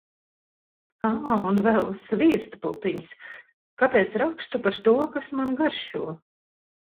Ā, un vēl sviesta pupiņas. Kāpēc rakstu par to, kas man garšo?